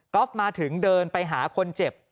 มาถึงเดินไปหาคนเจ็บ